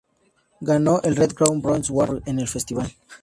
Ganó el "Red Crown Producer’s Award" en el festival.